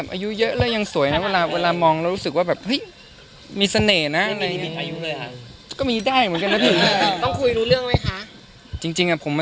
เรื่องนึงที่แบบคนทักมาเยอะสุดอ่ะ